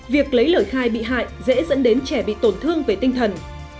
việc lấy lời khai bị hại dễ dẫn đến trẻ bị tổn thương về tinh thần